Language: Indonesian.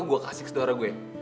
gue kasih ke saudara gue